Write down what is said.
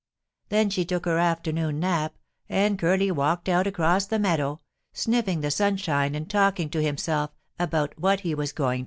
Then she took her afternoon nap, and Curly walked out across the meadow, sniffing the sunshine and talking to himself about what he was going to do."